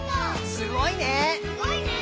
「すごいね」